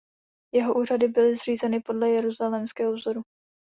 Jeho úřady byli zřízeny podle jeruzalémského vzoru.